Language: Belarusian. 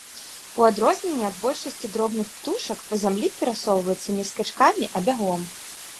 У адрозненне ад большасці дробных птушак па зямлі перасоўваецца не скачкамі, а бягом.